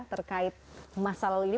terkait masa lalu ini